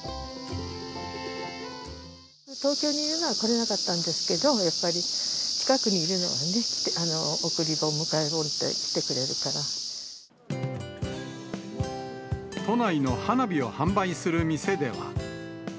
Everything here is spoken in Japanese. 東京にいるのは来れなかったんですけど、やっぱり近くにいるのはね、送り盆、迎え盆って来て都内の花火を販売する店では。